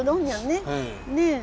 ねえ。